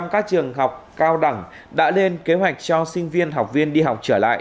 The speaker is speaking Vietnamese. một trăm linh các trường học cao đẳng đã lên kế hoạch cho sinh viên học viên đi học trở lại